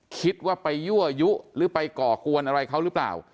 คิดว่าไปยั่วยุหรือไปก่อกวนอะไรเขาหรือเปล่า